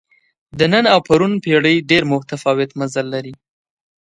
د نن او پرون پېړۍ ډېر متفاوت مزل کوي.